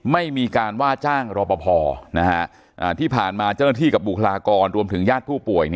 ไม่มีการว่าจ้างรอปภที่ผ่านมาเจ้าหน้าที่กับบุคลากรรวมถึงญาติผู้ป่วย